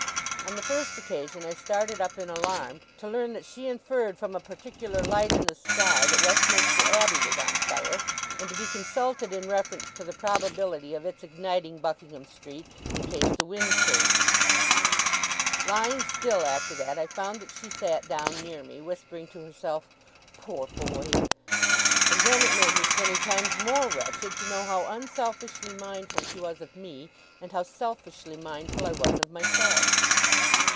On the first occasion I started up in alarm, to learn that she inferred from a particular light in the sky, that Westminster Abbey was on fire; and to be consulted in reference to the probability of its igniting Buckingham Street, in case the wind changed. Lying still, after that, I found that she sat down near me, whispering to herself 'Poor boy!' And then it made me twenty times more wretched, to know how unselfishly mindful she was of me, and how selfishly mindful I was of myself.